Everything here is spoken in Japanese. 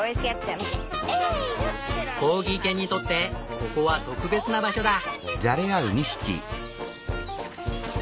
コーギー犬にとってここは特別な場所だ。